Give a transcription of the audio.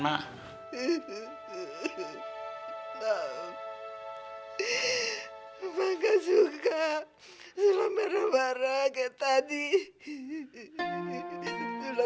saya nggak remeh loh